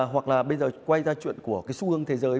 hoặc là bây giờ quay ra chuyện của cái xu hướng thế giới